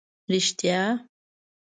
رښتیا.